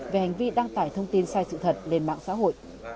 về hành vi đăng tải thông tin sai sự thật lên mạng xã hội